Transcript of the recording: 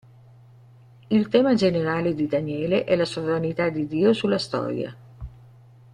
Il tema generale di Daniele è la sovranità di Dio sulla storia.